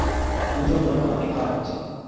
দুজন লোক আমাকে ধাওয়া করছে!